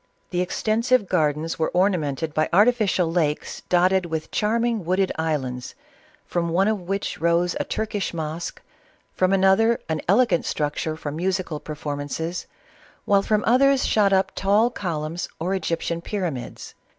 The extensive gardens were ornamented by artificial lakes 420 CATHERINE OF RUSSIA. dotted with charming wooded islands, from one of which rose a Turkish mosque, from another an elegant structure for musical performances, while from others shot up tall columns or Egyptian pyramids.